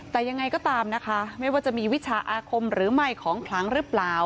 แต่ยังไงก็ตามนะคะไม่ว่าจะมีวิชาอาคมหรือไม่ของคลังหรือเปล่า